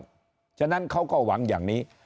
เพราะฉะนั้นเขาก็หวังอย่างนี้